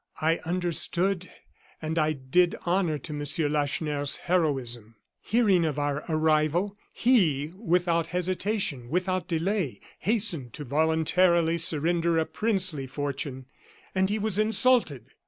I understood, and I did honor to Monsieur Lacheneur's heroism. Hearing of our arrival, he, without hesitation, without delay, hastened to voluntarily surrender a princely fortune and he was insulted.